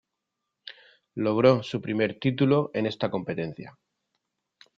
Logró su primer título en esta competencia.